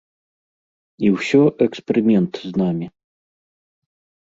І ўсё эксперымент з намі.